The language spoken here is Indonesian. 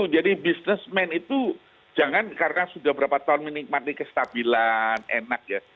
jadi bisnismen itu jangan karena sudah berapa tahun menikmati kestabilan enak ya